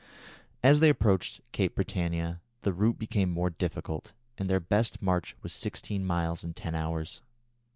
As they approached Cape Britannia the route became more difficult, and their best march was sixteen miles in ten hours.